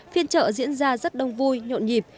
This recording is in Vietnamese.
phiên chợ diễn ra rất đông vui nhộn nhịp